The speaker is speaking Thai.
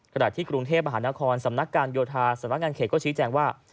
ขณะที่กรุงเทพมหานครสำนักการโยธาสำนักงานเขตก็ชี้แจงว่า